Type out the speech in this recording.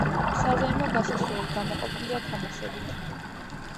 საზეიმო გასასვლელი გამოყოფილია თამასებით.